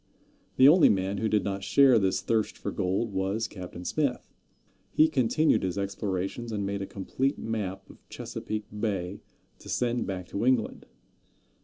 The only man who did not share this thirst for gold was Captain Smith. He continued his explorations, and made a complete map of Chesapeake Bay to send back to England.